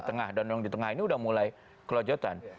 nah dan orang di tengah ini udah mulai kelojotan